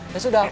ya sudah aku